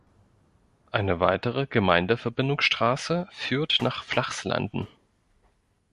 Eine weitere Gemeindeverbindungsstraße führt nach Flachslanden.